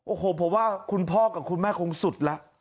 โอ้โหผมว่าคุณพ่อกับคุณแม่คงสุดแล้ว